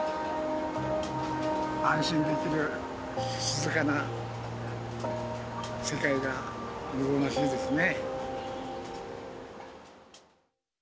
安心できる静かな世界が望ましいですね。